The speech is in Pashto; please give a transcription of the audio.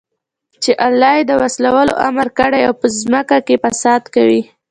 چې الله ئې د وصلَولو امر كړى او په زمكه كي فساد كوي